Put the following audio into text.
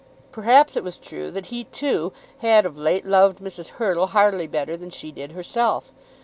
Perhaps it was true that he, too, had of late loved Mrs. Hurtle hardly better than she did herself.